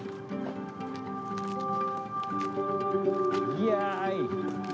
いやい！